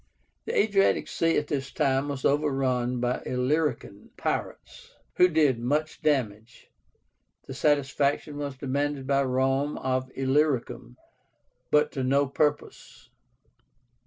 The Adriatic Sea at this time was overrun by Illyrican pirates, who did much damage. Satisfaction was demanded by Rome of Illyricum, but to no purpose.